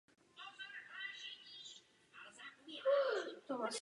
Pro svou víru byl vězněn i trestán na těle.